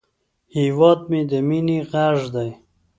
هیواد مې د مینې غږ دی